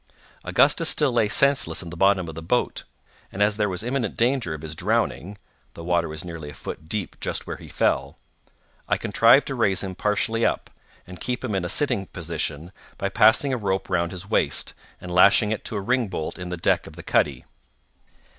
Augustus still lay senseless in the bottom of the boat; and as there was imminent danger of his drowning (the water being nearly a foot deep just where he fell), I contrived to raise him partially up, and keep him in a sitting position, by passing a rope round his waist, and lashing it to a ringbolt in the deck of the cuddy.